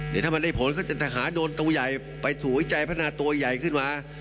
ที่มันจะหาโดนตัวใหญ่ไปสู่ไอ้ใจพัทนาตัวใหญ่ขึ้นมา